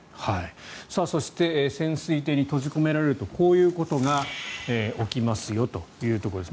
そして潜水艇に閉じ込められるとこういうことが起きますよというところです。